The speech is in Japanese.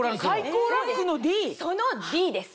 そのＤです。